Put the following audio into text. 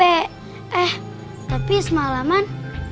eh tapi semalaman